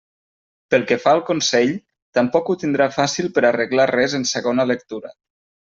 Pel que fa al Consell, tampoc ho tindrà fàcil per arreglar res en segona lectura.